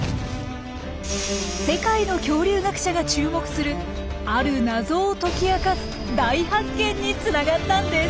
世界の恐竜学者が注目するある謎を解き明かす大発見につながったんです。